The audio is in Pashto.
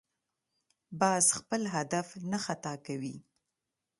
باز خپل هدف نه خطا کوي